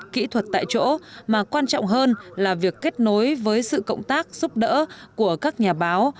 kỹ thuật tại chỗ mà quan trọng hơn là việc kết nối với sự cộng tác giúp đỡ của các nhà báo